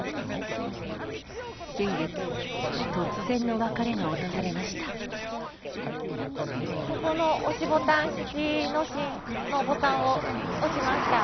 先月、ここの押しボタン式のボタンを押しました。